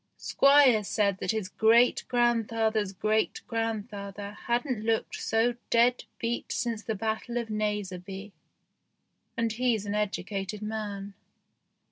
Squire said that his great grandfather's great grandfather hadn't looked so dead beat since the battle of Naseby, and he's an educated man.